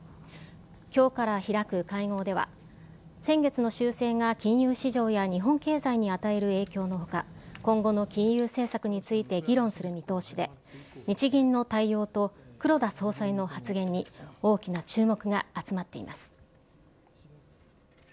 きょうから開く会合では、先月の修正が金融市場や日本経済に与える影響のほか、今後の金融政策について議論する見通しで、日銀の対応と黒田総裁の発言に、大きな注目が集まっています。